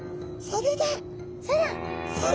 それだ！